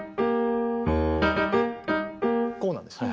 こうなんです。